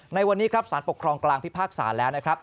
ในวันนี้ครับสารปกครองกลางพิพากษาแล้วนะครับ